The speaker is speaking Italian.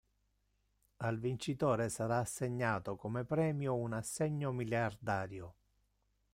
Al vincitore sarà assegnato come premio un assegno miliardario.